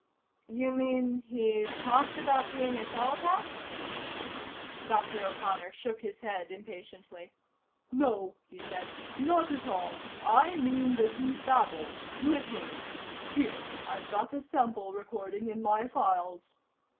"You mean he talked about being a telepath?" Dr. O'Connor shook his head impatiently. "No," he said. "Not at all. I mean that he babbled. Literally. Here: I've got a sample recording in my files."